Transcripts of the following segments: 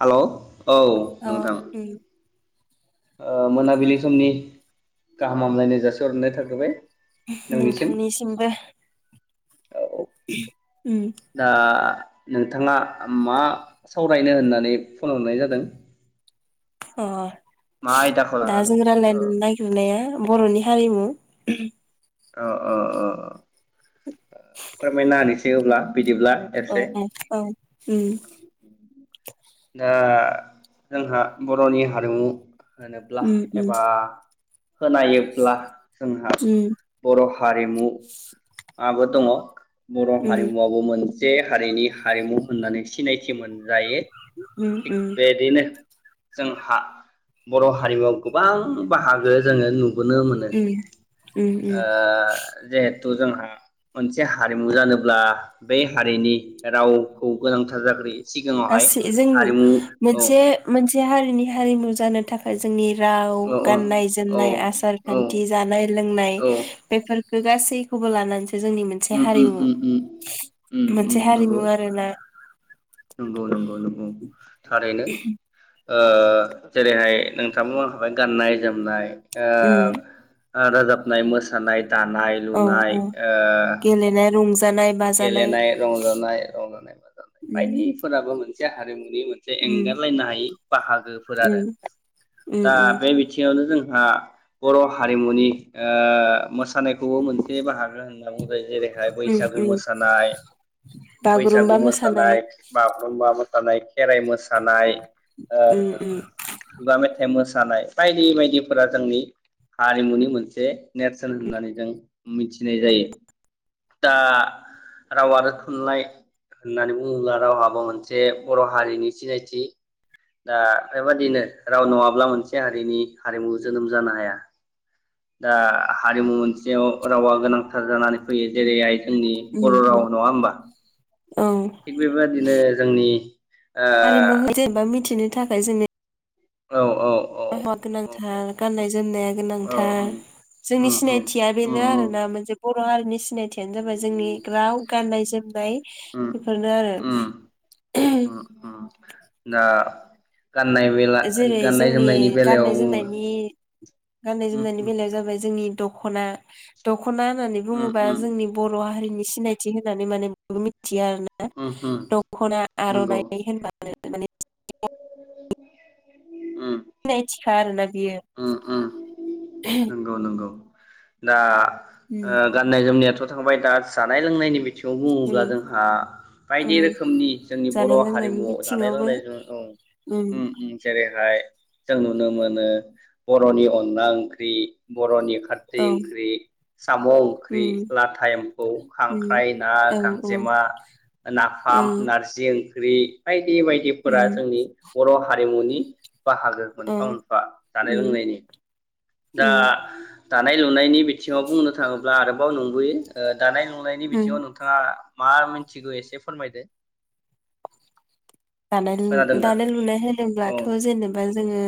Hello औ औ नोंथां उम ओ मोनाबिलि समनि गाहाम हामलायनाय जासिहरनाय थाग्रोबाय नोंनिसिम नोंथांनिसिमबो औ उम दा नोंथाङा मा सावरायनो होननानै फन हरनाय जादों अ मा आयदाखौ दा लानानै जों ओ रायलायनो नायगिरनाया बर'नि हारिमु औ औ औ फोरमायना होनोसै अब्ला बिदिब्ला औ एसे औ औ उम दा जोंहा बर'नि हारिमु होनोब्ला उम उम एबा खोनायोब्ला जोंहा उम बर हारिमु आबो दङ। बर उम हारिमुवाबो मोन से हारिनि हारिमु होननानै सिनायथि मोनजायो उम थिग उम बेदिनो जोंहा बर हारिमुआव गोबां बाहागो जोङो नु नो मोनो उम उम ओ उम जेहे तु जोंहा मोनसे हारिमु जानोब्ला बे हारिनि रावखौ गोनांथार जाग्रोयो सिगाङावहाय। गासै जों हारिमु औ मोनसे मोनसे हारिनि हारिमु जानो थाखाय जोंनि राव औ औ गाननाय औ जोमनाय आसार औ खान्थि जानाय लोंनाय औ बेफोरफोरखो गासै खौबो लानानैसो जोंनि मोनसे उम उम हारिमु उम उम उम मोनसे उम नंगौ हारिमु आरोना। नंगौ नंगौ नंगौ। थारैनो। ओ जेरैहाय नोंथां बुंलांखाबाय गाननाय जोमनाय उम आ राजाब नाय मोसानाय दानाय औ लुनाय औ ओ गेलेनाय रंजानाय बाजानाय गेलेनाय रंजानाय रंजानाय [unintelligible] उम बायदिफोराबो मोन से हारिमु नि मोनसे उम एंगारलायनो हायै बाहागोफोर उम आरो उम दा उम बे बिथिङावनो जों आ बर' हारिमुनि ओ मोसानायखौबो मोनसे बाहागो होनना बु ङो जेरैहाय उम बैसागु उम मोसानाय बैसागु मोसानाय बागुरुमबा मोसानाय खेराइ मोसानाय ओ उम उम खुगा मेथाइ मोसानाय बायदि बायदिफोरा जोंनि हारिमुनि मोनसे नेरसोन होननानै जों मिथिनाय जायो। दा राव आरो थुनलाइ होननानै बुङोब्ला रावहाबो मोनसे बर' हारिनि सिनायथि दा बेबादिनो राव नङाब्ला मोनसे हारिनि हारिमु जोनोम जानो हाया दा हारिमु मोनसेयाव रावा गोनांथार जानानै फैयो जेरैहाय जोंनि बर' उम राव उम नङा होमबा। औ थिग बेबादिनो जोंनि हारिमु [inaudible] जेनबा मिथिनो थाखाय जोंनो औ औ [inaudible] गाननाय जोमनाया औ गोनांथार जोंनि उम उम सिनायथिया उम बेनो उम आरोना मोनसे [inaudible] थियानो जाबाय जोंनि राव गाननाय जोमनाय उम बेफोरनो आरो उम [inaudible] उम उम दा गाननाय बेला जेरै गाननाय जोंनि जोमनायनि बेलायाव गाननाय बुङो जोमनायनि गाननाय उम जोमनायनि बेलायाव जाबाय जोंनि दखना दख दखना होननानै उम बुङोबा उम जोंनि बर हारिनि सिनायथि होनानै माने [unintelligible] मिथि [inaudible] आरो ना उम उम दखना नंगौ आरनाइ होनबानो माने उम [inaudible] थिखा आरोना बियो उम उम नोंगौ नोंगौ दा उम ओ गाननाय जोमनायाथ थांबाय दा जानाय लोंनायनि बिथिं खौ उम बुङोब्ला जोंहा बायदि उम रोखोमनि जोंनि बर' जानाय लोंनायनि हारिमुआव जानाय बिथिङावबो लोंनायजों औ उम उम जेरैहाय जों नुनो मोनो बर'नि अनला ओंख्रि बर'नि खारदै औ ओंख्रि साम' ओंख्रि उम लाथा एम्फौ उम खांख्राइ ना औ औ गांजेमा नाफाम उम नारजि ओं [inaudible] ख्रि बायदिफोरा उम जोंनि बर' हारिमुनि [inaudible] बाहागो औ मोनफा मोनफा जानाय उम लोंनायनि दा उम दानाय लुनायनि बिथिङाव बुंनो थाङोब्ला आरोबाव नंबोयो दानाय लुनायनि बिथिङाव उम नोंथाङा मा मिथिगौ एसे फोरमायदो दानाय खोनादों दा दानाय लुनाय औ होनोब्लाथ जेनेबा जोङो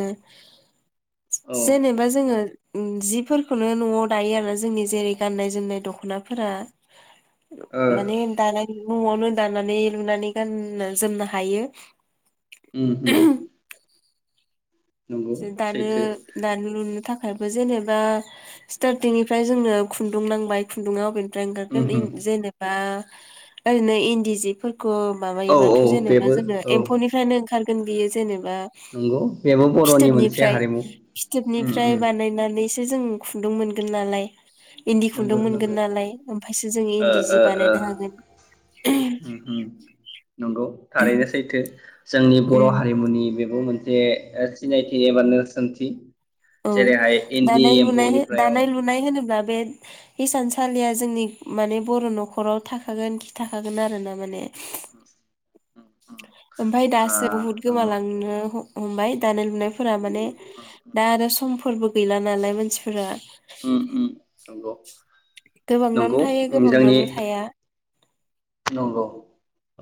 औ ओ [inaudible] जेनेबा जोङो ओम जिफोरखौनो न'आव दायो आरो जोंनि जेरै गाननाय जोमनाय दख'नाफोरा मानि दा न'आवनो दानानै लुनानै गाननो जोमनो हायो। [inaudible] नंगौ दानो सैथो दानो लुनो थाखाय जेनेबा स्टार्टिंनिफ्राय जोंनो खुन्दुं नांबाय खुन्दुङा अबेनि रां गारगोन उमहो जेनेबा ओरैनो इन्दि जि- औ औ माबायोबाथ' जेनेबा बेबो जोङो औ एम्फौनिफ्रायनो ओंखार [inaudible] नंगौ बे फिथोबनिफ्राय फिथोबनिफ्राय उम बानायनानै खुदैसो जों खुन्दुं मोनगोन नालाय इन्दि खुन्दुं नंगौ मोनगोन नंगौ नालाय ओमफ्रायसो जोङो ओ इन्दि जि ओ ओ बानायनो हागोन। उम उम नंगौ थारैनो सैथो। जोंनि बर' उम हारिमुनि बे बे मोनसे सिनायथि एबा नेरसोनथि औ जेरैहाय इन्दि दानाय लुनाय एम्फौनिफ्राय औ दानाय लुनाय होनोब्ला बे हिसानसालिया जोंनि माने बर' न'खराव थाखागोन खि थाखागोन आरोना माने [inaudible] ओमफाय आ दासो बहुत नंगौ गोमालांनो हमबाय दानाय लुनाय फोरा माने दा आरो सम फोरबो गैला नालाय मानसिफोरा उम उम नंगौ। गोबांनावनो नंगौ थायो जोंनि गोबांनावनो थाया नंगौ।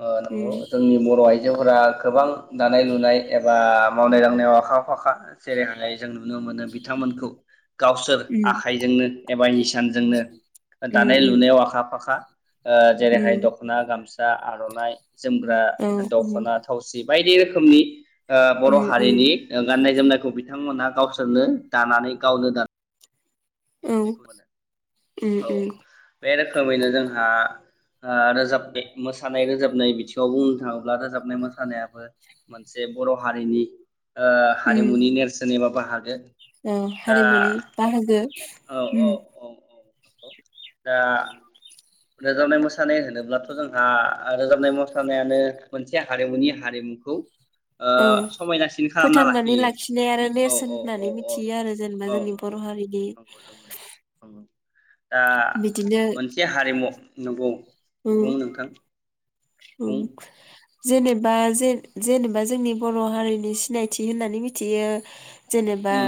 ओ नंगौ उम जोंनि बर' आइजोफोरा गोबां दानाय लुनाय एब बा मावनाय दांनायाव आखा फाखा जेरै जों नुनो मोनो बिथांमोनखौ गावसोर उम आखाइजोंनो एबा हिसानजोंनो उम दानाय उम लुनायाव आखा फाखा ओ जेरैहाय उम दख'ना गामसा आर'नाइ जोमग्रा औ दख'ना थावसि बायदि रोखोमनि ओ बर' उम उम उम हारिनि गाननाय जोमनायखौ बिथांमोनहा गावसोरनो दानानै गावनो गानो औ नायखौ नुनो मोनो उम औ उम बे रोखोमैनो जोंहा ओ रोजाबनि मोसानाय रोजाबनाय बिथिङाव बुंनो थाङोब्ला रोजाबनाय मोसानायाबो मोनसे बर' हारिनि ओ उम हारिमुनि नेरसोन एबा बाहागो औ हारिमुनि बाहागो उम औ-औ दा रोजाबनाय मोसानाय होनोब्लाथ' जोंहा रोजाबनाय मोसानायानो मोनसे हारिमुनि हारिमुखौ ओ औ समायनासिन खालामना फोथांनानै लाखियो लाखिनाय आरो औ नेरसोन औ औ होननानै औ मिथियो आरो जेनेबा औ जोंनि बर' हारिनि नंगौ नंगौ नंगौ दा बिदिनो मोनसे हारिमु नंगौ बुं नोंथां बुं ओम जेनेबा जे जेनेबा जोंनि बर' हारिनि सिनायथि होननानै मिथियो जेनेबा उम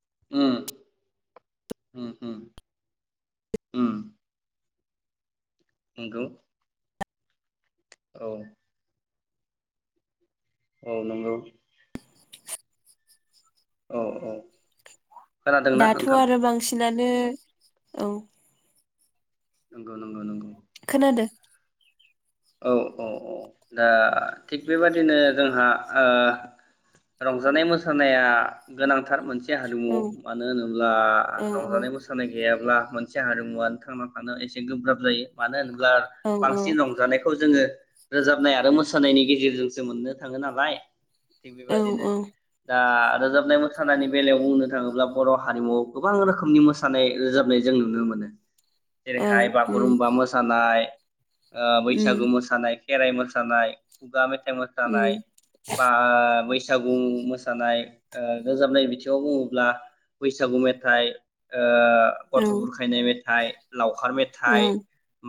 उम नोंगौ औ औ नोंगौ औ औ खोनादोंना दाथ' नोंथां आरो बांसिनानो नो औ नंगौ नंगौ नंगौ खोनादों औ औ औ दा थिग बेबादिनो जोंहा रंजानाय मोसानाया गोनांथार मोनसे थि औ हारिमु मानो होनोब्ला औ रंजानाय मोसानाय गैयाब्ला मोनसे हारिमुवानो थांना थानो एसे गोब्राब जायो मानो होन ब्ला औ बांसि रंजानाय रोजाबनाय आरो मोसानायनि गेजेरजोंसो मोननो थाङो नालाय थिग औ बेबायदिनो औ दा रोजाबनाय मोसानायनि बेलायाव बुंनो थांङोब्ला बर हारिमुआव गोबां रोखोमनि मोसानाय रोजाबनाय जों नुनो मोनो औ जेरैहाय उम बागुरुम्बा मोसानाय आ बैसागु उम मोसानाय खेराइ मोसानाय खुगा मे थाइ उम मोसानाय बा बै बैसागु मोसानाय रोजाबनाय बिथिंङाव बुंङोब्ला बैसागु मेथाइ औ गथ बुरखायनाय मेथाइ लावखार मेथाइ औ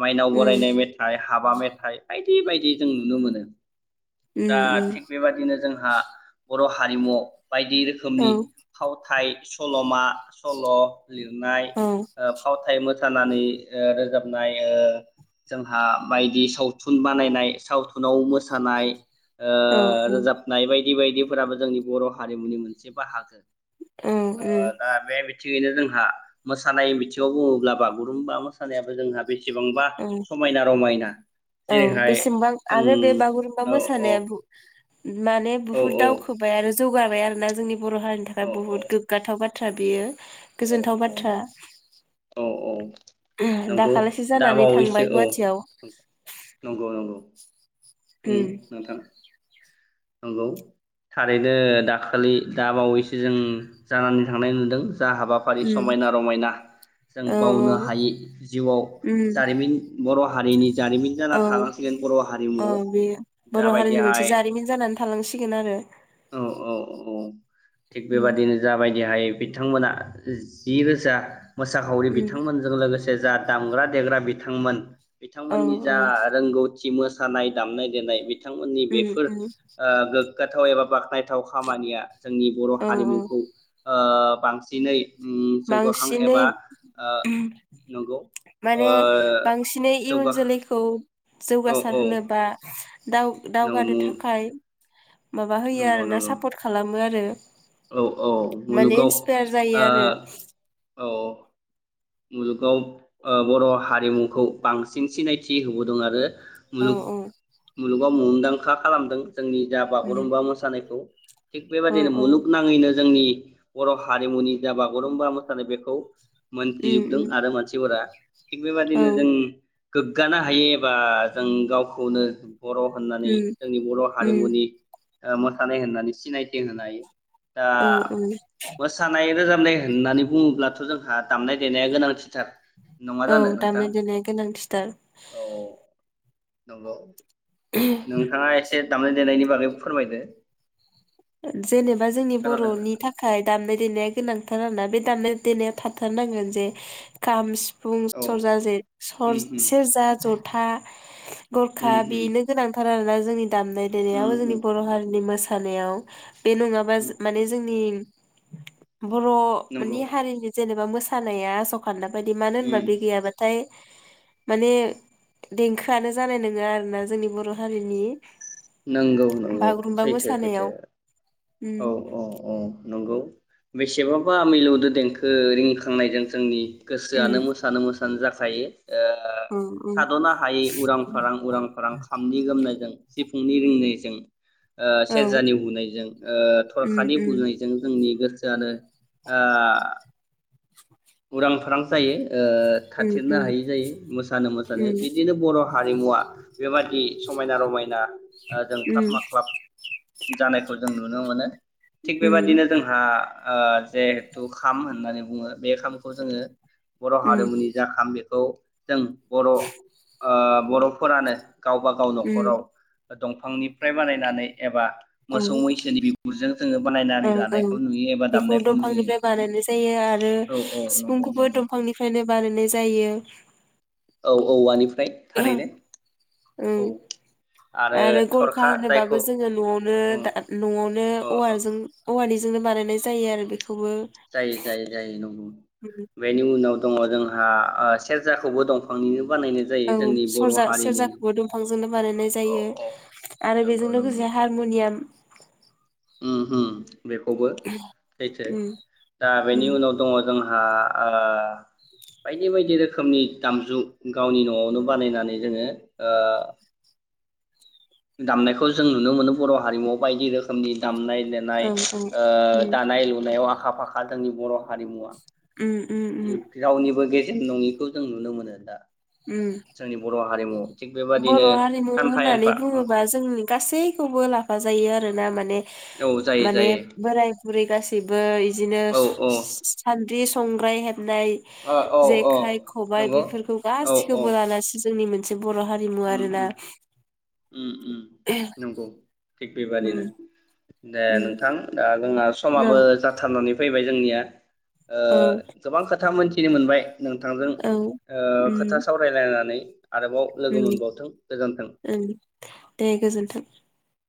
माइनाव उम बरायनाय मेथाइ हाबा मे थाय बायदि बायदि जों नुनो मोनो उम दा उम थिग बेबादिनो जों जोंहा बर हारिमु बायदि औ रोखोमनि फावथाय सलमा मा सल लिरनाय औ ओ फावथाय मो सानानै ओ रोजाबनाय ओ जोंहा बाइदि साव थुन बानायनाय सावथु ननाव मोसानाय ओ औ रोजाबनाय बाय बेबायदि फोराबो जोंनि बर हारिमुनि मोनसे बाहागो औ ओ उम दा बे बिथिंङैनो जोंङो आ मोसानाय बिथिंङाव बुंङोब्ला बा गुरुम्बा मोसानायाबो जोंहा बेसेबांबा औ समायना रमायना औ जेरैहाय बेसेमबां जों आरो बे बागुरुम्बा औ औ मोसानाया बो माने औ बुहुत दावखोबाय आरो जौ गाबाय आरोना जोंनि बर हारिनि औ थाखाय बहुत गोग्गाथाव बाथ थ्रा बेयो [inaudible] औ गोजोनथाव बाथ्रा औ औ औ नंगौ दाखालिसो जानानै दाबावैसो थांबाय औ गुवाहाटियाव नंगौ नंगौ बुं उम नोंथां नंगौ थारैनो दाखालि दाबावैसो जों जानानै थांनाय नुदों जा हाबाफारि उम समायना रमायना जों औ बावनो हायै जिउआव उम जारिमिन बर हारिनि जारिमिन औ जाना थानांसिगोन बर' औ हारिमुआव। बे बर' हारिनि मोनसे जाबायदिहाय जारिमिन जानानै थालांसिगोन आरो औ औ उम। हाय बिथांमोना जि रोजा मोसाखावरि उम बिथांमोनजों लोगोसे जा दामग्रा देग्रा बिथांमोन औ बिथांमोननि औ जा रोंगौ थि मोसानाय दामनाय देनाय मि बिथांमोननि उम बेफोर उम ओ गोग्गाथाव एबा बा खनायथाव खामानिया जोंनि बर' औ औ हारिमुखौ ओ बांसिनै उम जौगाखां बांसिनै एबा ओ नंगौ ओ माने बांसिनै इयुन जौगाख जोलैखौ औ जौगासार औ होनोबा दा-दावगानो नंगौ थाखाय माबा होयो नंगौ आरोना नंगौ सापर्ट खालामो आरो औ औ माने मुलुगाव इन्सपायार जायो आरो। ओ औ मुलुगाव बर' हारिमुखौ बांसिन सिनायथि होबोदों आरो । औ मुलुग औ मुलुग गाव मुंदांखा खालामदों । जोंनि दा उम बागुरुम्बा मोसानायखौ थिग औ बेबाददिनो औ मुलुगनाङैनो जोंनि बर' हारिमुनि जा बागुरुम्बा मोसानाय बेखौ उम गजोबदों उम आरो मानसिफोरा । थिग औ बेबादिनो जों गोग्गानो हायो एबा जों गावखौनो बर' होननानै उम जोंनि बर' उम हारिमुनि मोसानाय होननानै सिनायथि होनो हायो। दा औ औ मोसानाय रोजा - नाय होननानै बुङोब्लाथ' जोंहा दामनाय देनाया गोनांथिथार नङा औ जानो नोंथां दामनाय देनाया गोनांथिथार। नोंगौ नोंथाङा एसे दामनाय देनायनि बागै फोरमायदो। जेनेबा जोंनि खोनादोंना बर'नि थाखाय दामनाय देनाय गोनांथार आरोना बे दामनाय देनायाव थाथारनांगोन जे खाम सि फुं औ सरज जे उम उम सर-सेरजा ज' था गरखा उम उम बेनो गोनांथार आरोना [unintelligible] दामनाय उम देनायाबो जोंनि उम बर' हारिनि मोसा नायाव बे नङाबा उम माने उम जोंनि बर' नंगौ मानि हारिनि जेने ओ मोसानाया आस खानदा बायदि मानो उम होनबा बे गैयाबाथाय माने देंखोआनो जानाय नोङा आरो ना जोंनि बर' हारिनि नोंगौ नोंगौ बागुरुमबा सैथो मोसानायाव सैथो। उम औ औ औ नंगौ बेसेबांबा मिलौदो देंखो रिंखांनायजों जोंनि गोसोआनो उम मोसानो मोसानो जा खायो। ओ औ थाद'नो हायै उरां फारां उरां फारां खामनि गोमनायजों सि फुंनि रिंनायजों ओ औ सेरजा उम नि हुनायजों ओ थरखानि उम बुनायजों जोंनि गोसो आनो आ उरां फारां जायो। ओ उम थाथेरनो उम हायि जायो मोसानो मोसानो उम बिदिनो बर' हारिमुवा बेबादि समायना रमायना ओ उम जोंख्लाब माख्लाब जानायफोर जों नुनो मोनो। थिग उम बेबादिनो जोंहा ओ जेहेथु खाम होननानै बुङो बे खाम खौ जोङो बर उम हारिमुनि जा खाम बेखौ जों बर ओ बरफोरानो गावबा गाव उम नखराव दंफांनिफ्राय बानायनानै एबा औ मोसौ मैसोनि बिगुरजों जोङो औ बानायनानै लानायखौ औ नुयो एबा बेखौ दामनायखौ नुयो दंफांनिफ्राय औ औ नंगौ फुंखौबो नंगौ दंफांनिफ्रायनो बा बानायनाय जायो औ औवानि ओं आरो गरखा थरखा जायखौ होनोबाबो जोङो नआवनो उम दा नआवनो अ अ औवाजों औवानि जोंनो बानायनाय जायो आरो बे जायो जायो जायो नंगौ बेनि उनाव दङ जोंहा ओ सेरजाखौबो दंफांनिनो बानायनाय जायो औ जोंनि बर' सरजा हारिनि सेरजाखौबो दंफांजोंनो बानायनाय औ जायो औ आरो नंगौ बेजों नंगौ लोगोसे हारमुनियाम उम होम बेखौबो सैथो उम दा बेनि उम उनाव दङ जों हा ओ बायदि बायदि रोखोमनि दामजु गावनि नआवनो बानायनानै जोङो ओ दामनायखौ जों नुनो मोनो बर हारिमुआव बायदि रोखोमनि दामनाय देनाय औ औ ओ उम दानाय लुनायाव आखा फाखा जोंनि बर हारिमुवा उम रावनिबो गे जेन नङिखौ जों नुनो मोनो दा उम जोंनि बर हारिमु थिग बर बेबादिनो हारिमु सानफा होननानै एनफा बुङोबा जोंनि गासैखौबो ला फा जायो आरोना माने औ जायो माने जायो बोराय बुरै गासैबो बिदिनो औ औ [unintelligible] संग्राय हे बनाय ओ औ औ जेखाइ खबाय नंगौ बेफोरखौ औ औ गासिखौबो लानानैसो जोंनि मोनसे बर' हा उम उम उम उम नंगौ। थिक बेबादिनो उम दे उम नोंथां दा दा जोङो औ समाबो जाथारनानै फै बाय जोंनिया। ओ औ गोबां खो था मोनथिनो मोनबाय नोंथांजों औ ओ खोथा उम सावरायलायनानै। आरोबाव लोगो उम मोनबावथों गोजोन्थों। ओं दे गोजोनथों।